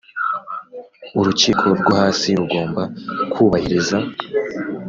urukiko rwo hasi rugomba kubahiriza